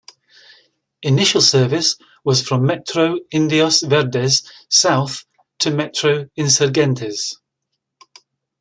Initial service was from Metro Indios Verdes south to Metro Insurgentes.